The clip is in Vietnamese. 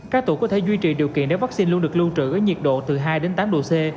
các tủ có thể duy trì điều kiện để vaccine luôn được lưu trữ ở nhiệt độ từ hai đến tám độ c